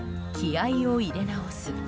気合を入れ直す。